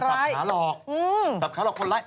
เป็นการสับหาหลอกคนร้าย